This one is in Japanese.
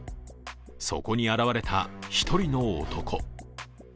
そこに現れた一人の男。